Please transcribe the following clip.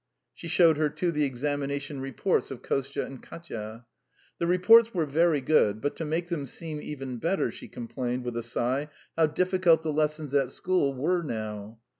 She showed her, too, the examination reports of Kostya and Katya. The reports were very good, but to make them seem even better, she complained, with a sigh, how difficult the lessons at school were now.